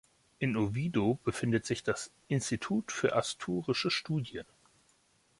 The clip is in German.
In Oviedo befindet sich das „Institut für Asturische Studien“.